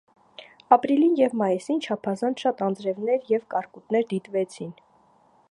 Ապրիլին և մայիսին չափազանց շատ անձրևներ և կարկուտներ դիտվեցին։